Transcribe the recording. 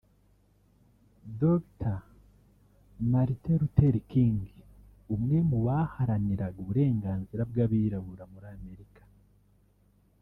Dr Martin Luther King umwe mu baharaniraga uburenganzira bw’Abirabura muri Amerika